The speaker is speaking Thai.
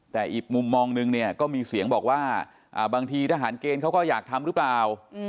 แต่อีกมุมมองนึงเนี่ยก็มีเสียงบอกว่าบางทีทหารเกณฑ์เขาก็อยากทำหรือเปล่า